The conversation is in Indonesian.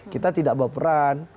kita tidak bawa peran